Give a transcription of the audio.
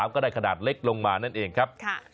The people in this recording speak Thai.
ก็ได้ขนาดเล็กลงมานั่นเองครับ